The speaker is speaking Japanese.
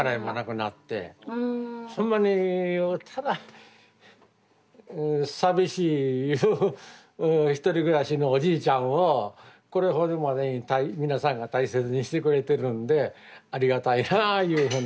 ほんまにただ寂しいゆう独り暮らしのおじいちゃんをこれほどまでに皆さんが大切にしてくれてるんでありがたいなぁいうふうな。